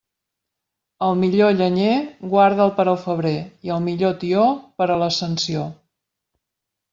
El millor llenyer, guarda'l per al febrer, i el millor tió, per a l'Ascensió.